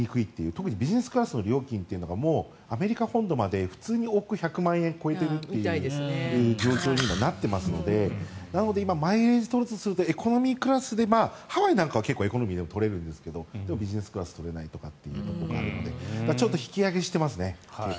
特にビジネスクラスの料金がアメリカ本土まで普通に往復１００万円を超えているという状況になっていますのでなのでマイレージを取るとするとエコノミークラスでハワイなんかはエコノミーでも取れるんですがビジネスクラスが取れないとかということがあるのでちょっと引き上げしてますね。